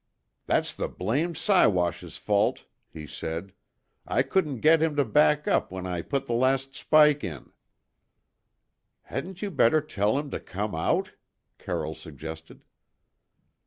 "That's the blamed Siwash's fault," he said. "I couldn't get him to back up when I put the last spike in." "Hadn't you better tell him to come out?" Carroll suggested.